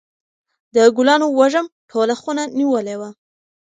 د ګلانو وږم ټوله خونه نیولې وه.